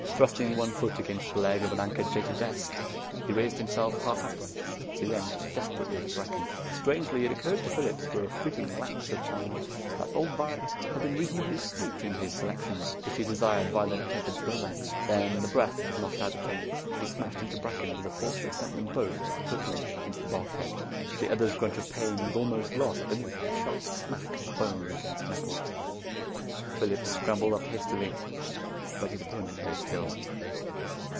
Thrusting one foot against the leg of an anchored data desk, he raised himself half upright as he lunged desperately at Brecken. Strangely, it occurred to Phillips for a fleeting lapse of time that old Varret had been reasonably astute in his selections, if he desired violent tempered throwbacks. Then the breath was knocked out of him as he smashed into Brecken with a force that sent them both hurtling into the bulkhead. The other's grunt of pain was almost lost beneath the sharp smack of bone against metal. Phillips scrambled up hastily, but his opponent lay still.